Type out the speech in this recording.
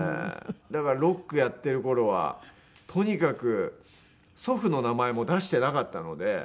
だからロックやってる頃はとにかく祖父の名前も出してなかったので。